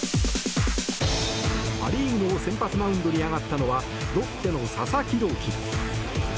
パ・リーグの先発マウンドに上がったのはロッテの佐々木朗希。